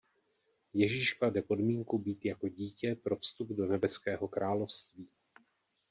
Ježíš klade podmínku „být jako dítě“ pro vstup do nebeského království.